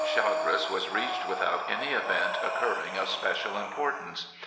Chagres was reached without any event occurring of special importance.